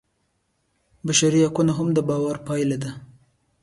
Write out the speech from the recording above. بشري حقونه هم د باور پایله ده.